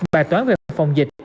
bài toán về phòng dịch